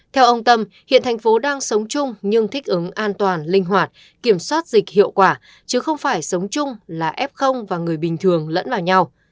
theo ông tâm hiện thành phố đang sống chung nhưng thích ứng an toàn linh hoạt kiểm soát dịch hiệu quả chứ không phải sống chung là f và người bình thường lẫn vào nhau